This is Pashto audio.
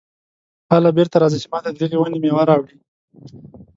هله بېرته راځه چې ماته د دغې ونې مېوه راوړې.